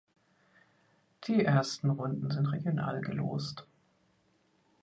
Die ersten Runden sind regional gelost.